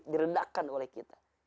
diredakan oleh kita